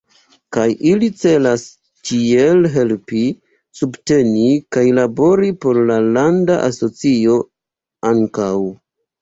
Kaj ili celas ĉiel helpi, subteni kaj labori por la landa asocio ankaŭ.